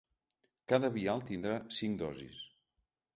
Cada vial tindrà cinc dosis.